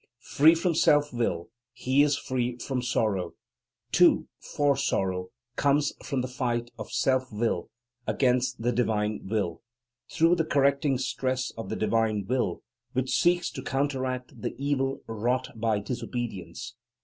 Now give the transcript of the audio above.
Free from self will, he is free from sorrow, too, for sorrow comes from the fight of self will against the divine will, through the correcting stress of the divine will, which seeks to counteract the evil wrought by disobedience.